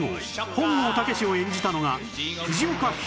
本郷猛を演じたのが藤岡弘、